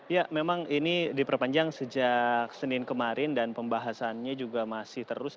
ya memang ini diperpanjang sejak senin kemarin dan pembahasannya juga masih terus